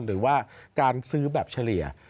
หรือว่าการซื้อแบบเฉลี่ย